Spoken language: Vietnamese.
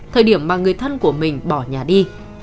thời điểm mà người thân của mình bỏ nhà đi